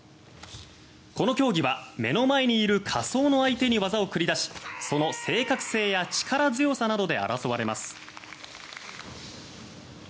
この競技は目の前にいる仮想の相手に技を繰り出しその正確性や力強さなどで争われます。